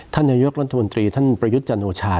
ท่านนายกรัฐมนตรีท่านประยุทธ์จันโอชา